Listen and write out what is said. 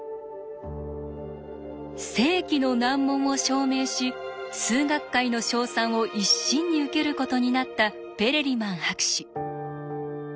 世紀の難問を証明し数学界の称賛を一身に受けることになったペレリマン博士。